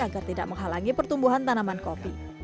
agar tidak menghalangi pertumbuhan tanaman kopi